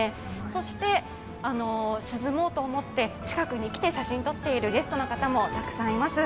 そして涼もうと思って、近くに来て写真を撮っているゲストの方もたくさんいます。